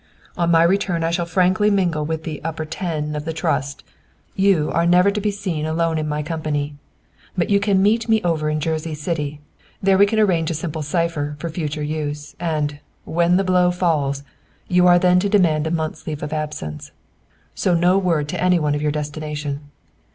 "On my return I shall frankly mingle with the 'upper ten' of the Trust. You are never to be seen alone in my company. But you can meet me over in Jersey City; there we can arrange a simple cipher for future use, and, when the blow falls, you are then to demand a month's leave of absence. So no word to any one of your destination.